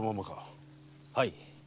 はい。